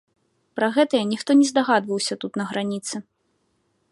Пра гэтае ніхто не здагадваўся тут на граніцы.